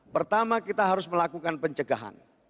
pertama kita harus melakukan pencegahan